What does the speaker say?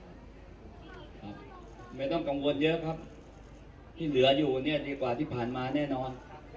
ไม่ต้องกังวลเยอะครับที่เหลืออยู่เนี่ยดีกว่าที่ผ่านมาแน่นอน